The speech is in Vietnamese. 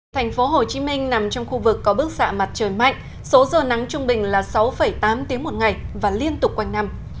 thành phố hồ chí minh nằm trong khu vực có bức xạ mặt trời mạnh số giờ nắng trung bình là sáu tám tiếng một ngày và liên tục quanh năm